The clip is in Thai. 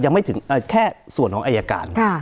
ยังไม่ถึงแค่ส่วนของอายการ